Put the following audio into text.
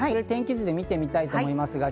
天気図で見たいと思います。